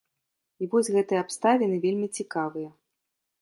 І вось гэтыя абставіны вельмі цікавыя.